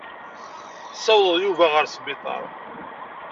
Tessawḍeḍ Yuba ɣer wesbiṭar.